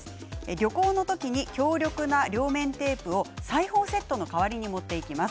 旅行の時に強力な両面テープを裁縫セットの代わりに持っていきます。